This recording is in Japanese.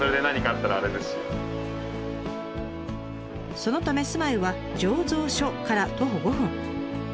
そのため住まいは醸造所から徒歩５分。